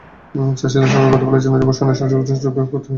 চাষিদের সঙ্গে কথা বলে জানা যায়, বর্ষণে সবজিচাষিদের ব্যাপক ক্ষতি হয়েছে।